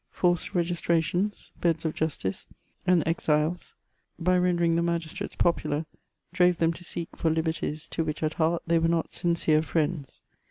Forced registrations, beds of justice, and exiles, by rendering the magistrates popular, drove them to seek for liberties to which at heart they were not sincere friends.